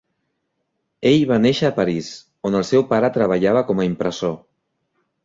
Ell va néixer a París, on el seu pare treballava com a impressor.